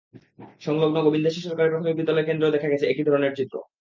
সংলগ্ন গোবিন্দাসী সরকারি প্রাথমিক বিদ্যালয় কেন্দ্রেও দেখা গেছে একই ধরনের চিত্র।